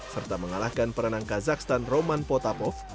serta mengalahkan perenang kazakhstan roman potapov